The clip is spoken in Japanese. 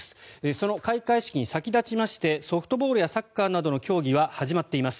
その開会式に先立ちましてソフトボールやサッカーなどの競技は始まっています。